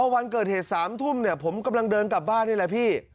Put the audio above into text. วันเกิดเหตุ๓ทุ่มผมกำลังเดินกลับบ้านนี่แหละพี่